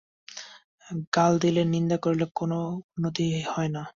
গাল দিলে, নিন্দা করিলে কোন উন্নতিই হয় না।